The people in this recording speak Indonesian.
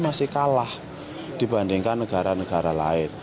masih kalah dibandingkan negara negara lain